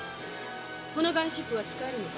このガンシップは使えるのか？